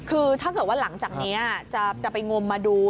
คือถ้าเกิดว่าหลังจากนี้จะไปงมมาดู